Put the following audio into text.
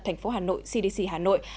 thành phố hà nội cdc hà nội